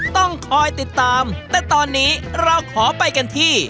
ต้องคอยติดตามแต่ตอนนี้เราขอไปกันที่